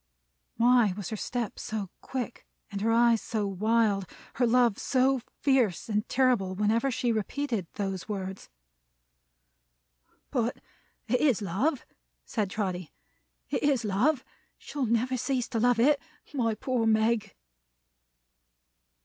Why was her step so quick, her eyes so wild, her love so fierce and terrible, whenever she repeated those words? "But, it is Love," said Trotty. "It is Love. She'll never cease to love it. My poor Meg!"